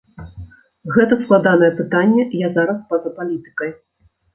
Гэта складанае пытанне, я зараз па-за палітыкай.